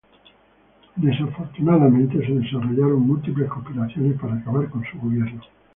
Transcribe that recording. Desafortunadamente, se desarrollaron múltiples conspiraciones para acabar con su gobierno.